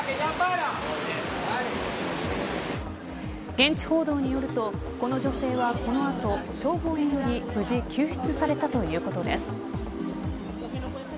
現地報道によるとこの女性はこの後消防により救出されたということです。